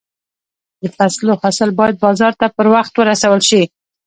د فصلو حاصل باید بازار ته پر وخت ورسول شي.